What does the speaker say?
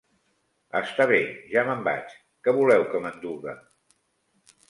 Està bé! Ja me'n vaig. Què voleu que m'enduga?